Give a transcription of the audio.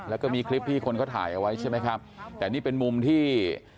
แล้วก็มีคลิปที่คนเขาถ่ายเอาไว้ใช่ไหมครับแต่นี่เป็นมุมที่